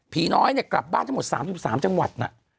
พี่น้อยกลับบ้านทั้งหมด๓๓จังหวัด